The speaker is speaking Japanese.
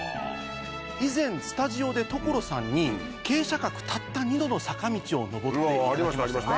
以前スタジオで所さんに傾斜角たった２度の坂道を上っていただきましたよね？